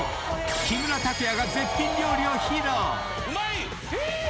木村拓哉が絶品料理を披露。